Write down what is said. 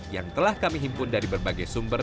yang telah kami himpun dari berbagai sumber